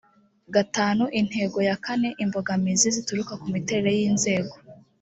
gatanu intego ya kane imbogamizi zituruka ku miterere y inzego